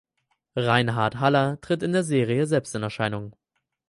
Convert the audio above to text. Reinhard Haller tritt in der Serie selbst in Erscheinung.